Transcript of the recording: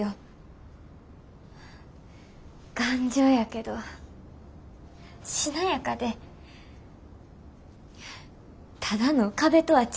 頑丈やけどしなやかでただの壁とは違うんやなって